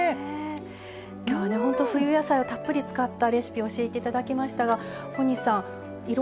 今日は冬野菜をたっぷり使ったレシピを教えて頂きましたが小西さんいろいろな工夫がありましたよね。